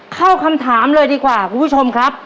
คำถามเลยดีกว่าคุณผู้ชมครับ